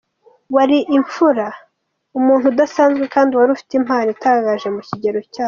Wari imfura, umuntu udasanzwe kandi wari ufite impano itangaje mu kigero cyacu.